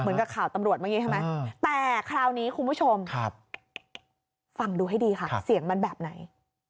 เหมือนกับข่าวตำรวจเมื่อกี้ใช่ไหมแต่คราวนี้คุณผู้ชมฟังดูให้ดีค่ะเสียงมันแบบไหน